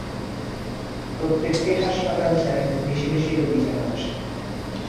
প্রত্যেকটি হাসপাতাল চায়, বেশী বেশী রোগী যেন আসে।